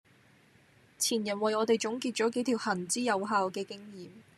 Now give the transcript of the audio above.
前人為我哋總結咗幾條行之有效嘅經驗